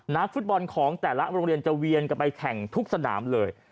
นักฟุตบอลของแต่ละโรงเรียนจะเวียนกันไปแข่งทุกสนามเลย